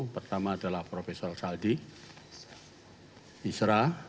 pertama adalah profesor saldi isra